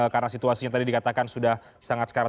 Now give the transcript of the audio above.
karena situasinya tadi dikatakan sudah sangat skarang